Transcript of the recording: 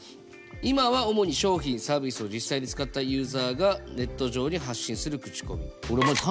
今は主に商品サービスを実際に使ったユーザーがネット上に発信する口コミ。